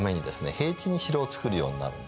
平地に城を造るようになるんですね。